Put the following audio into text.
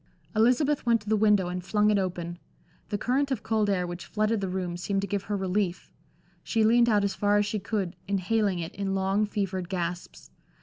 Elizabeth went to the window and flung it open. The current of cold air which flooded the room seemed to give her relief; she leaned out as far as she could, inhaling it in long, fevered gasps.